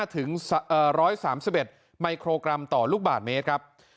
ถึง๑๓๑มิโครกรัมต่อลูกบาทเมตรครับ